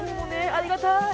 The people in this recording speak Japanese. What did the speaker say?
ありがたい！